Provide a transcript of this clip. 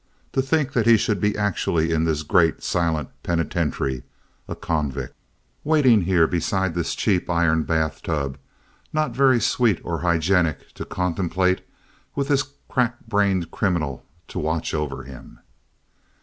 To think that he should be actually in this great, silent penitentiary, a convict, waiting here beside this cheap iron bathtub, not very sweet or hygienic to contemplate, with this crackbrained criminal to watch over him!